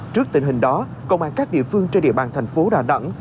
trước tình hình đó công an các địa phương trên địa bàn thành phố đà nẵng